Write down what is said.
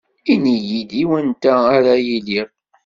Ini-yi-d i wanta ara iliɣ